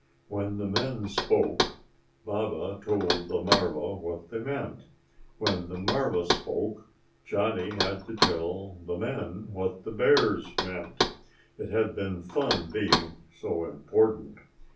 When the men spoke, Baba told the marva what they meant. When the marva spoke, Johnny had to tell the men what the bears meant. It had been fun being so important.